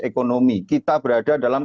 ekonomi kita berada dalam